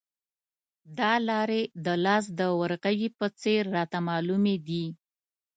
دا لارې د لاس د ورغوي په څېر راته معلومې دي.